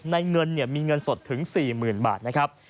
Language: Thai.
ในเงินมีเงินสดถึง๔๐๐๐บาทนะครับ